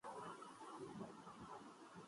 علامہ کو سمجھ نہ آئی کہ دھرنا کب ختم کرنا چاہیے۔